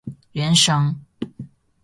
原神